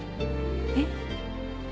えっ？